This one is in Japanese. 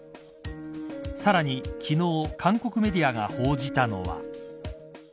さらに昨日韓国メディアが報じたのは。